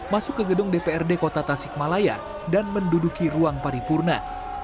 masuk ke gedung dprd kota tasikmalaya dan menduduki ruang paripurna